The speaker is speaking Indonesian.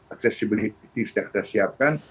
accessibility sudah kita siapkan